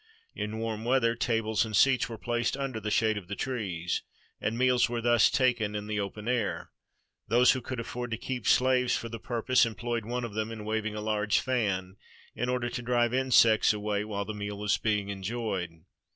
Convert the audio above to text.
In warm weather tables and seats were placed under the shade of the trees, and meals were thus taken in the open air. Those who could afford to keep slaves for the purpose employed one of them in waving a large fan, in order to drive insects away while the meal was being enjoyed.